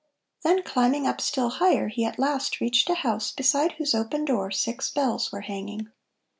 Then, climbing up still higher, he at last reached a house beside whose open door six bells were hanging.